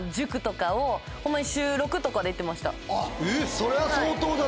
それは相当だね